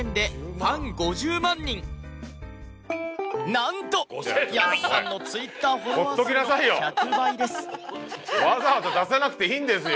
なんとわざわざ出さなくていいんですよ。